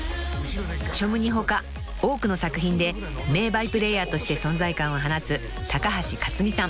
［『ショムニ』他多くの作品で名バイプレーヤーとして存在感を放つ高橋克実さん］